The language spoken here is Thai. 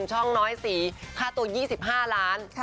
ช่องน้อยสีค่าตัว๒๕ล้าน